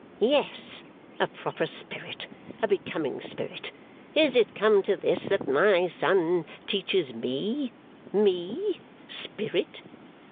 'Yes, a proper spirit; a becoming spirit. Is it come to this that my son teaches me me spirit!